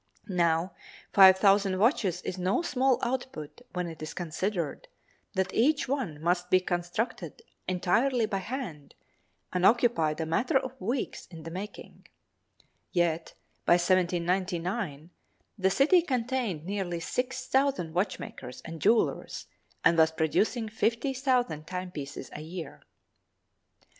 Now five thousand watches is no small output when it is considered that each one must be constructed entirely by hand and occupied a matter of weeks in the making; yet, by 1799, the city contained nearly six thousand watchmakers and jewelers and was producing fifty thousand timepieces a year.